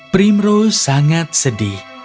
primrose sangat sedih